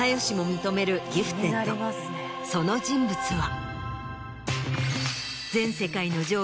その人物は。